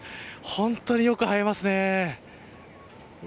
本当によく映えますね。